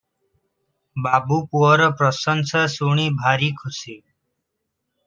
ବାବୁ ପୁଅର ପ୍ରଶଂସା ଶୁଣି ଭାରି ଖୁସି ।